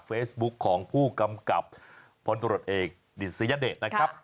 เฟซบุ๊คของผู้กำกับพลตรวจเอกดิษยเดชนะครับ